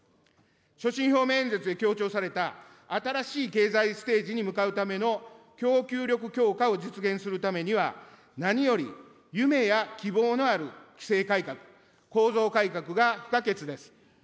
所信表明演説で強調された新しい経済ステージに向かうための供給力強化を実現するためには、何より夢や希望のある規制改革、構造改革が不可欠です。